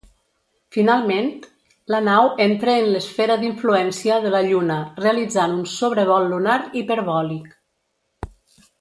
Finalment, la nau entre en l'esfera d'influència de la Lluna, realitzant un sobrevol lunar hiperbòlic.